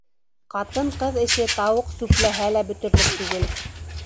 Ҡатын-ҡыҙ эше тауыҡ сүпләһә лә бөтөрлөк түгел.